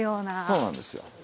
そうなんですよ。